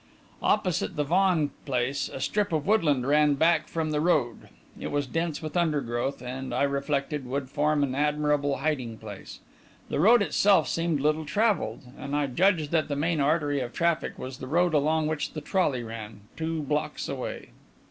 Opposite the Vaughan place, a strip of woodland ran back from the road. It was dense with undergrowth, and, I reflected, would form an admirable hiding place. The road itself seemed little travelled, and I judged that the main artery of traffic was the road along which the trolley ran, two blocks away.